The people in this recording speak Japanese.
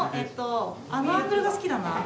あのアングルが好きだな。